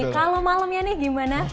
kalau malamnya nih gimana